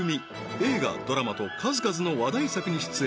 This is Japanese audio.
映画ドラマと数々の話題作に出演